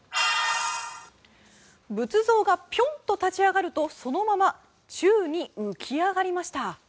仏像がぴょんと立ち上がるとそのまま宙に浮き上がりました。